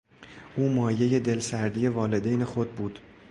او مایهی دلسردی والدین خود بود.